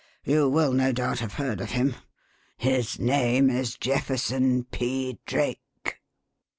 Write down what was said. You will, no doubt, have heard of him. His name is Jefferson P. Drake."